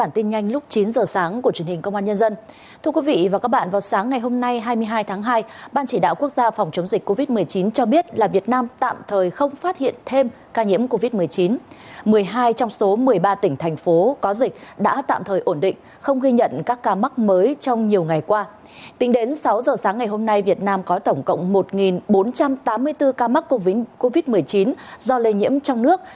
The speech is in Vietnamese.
trong bốn giờ sáng ngày hôm nay việt nam có tổng cộng một bốn trăm tám mươi bốn ca mắc covid một mươi chín do lây nhiễm trong nước